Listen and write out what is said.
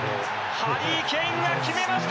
ハリー・ケインが決めました。